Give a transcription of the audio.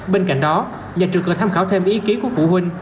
bên cạnh đó nhà trường có tham khảo thêm ý ký của phụ huynh